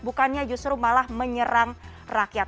bukannya justru malah menyerang rakyat